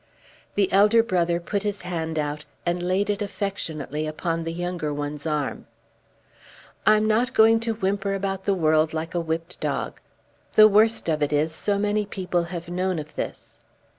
The elder brother put his hand out and laid it affectionately upon the younger one's arm. "I'm not going to whimper about the world like a whipped dog. The worst of it is so many people have known of this."